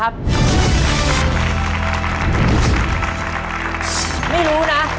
ขอเชิญแสงเดือนมาต่อชีวิต